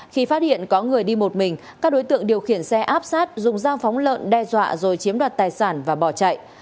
khi phát hiện có người đi một mình các đối tượng điều khiển xe áp sát dùng dao phóng lợn đe dọa rồi chiếm đoạt tài sản và bỏ chạy